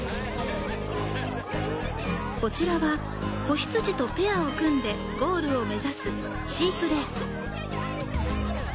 こちらは子羊とペアを組んでゴールを目指すシープレース。